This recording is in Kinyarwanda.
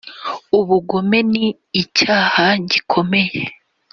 ubugome ni icyaha gikomeye